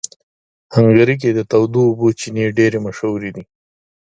هنګري کې د تودو اوبو چینهګانې ډېرې مشهوره دي.